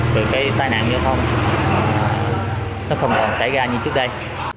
rồi cái tai nạn như thế không nó không còn xảy ra như trước đây